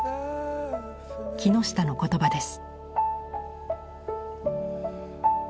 木下の言葉です。